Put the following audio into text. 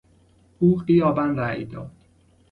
او غیابا رای داد.